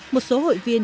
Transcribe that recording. một số hội viên